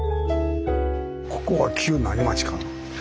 ここが旧何町かな？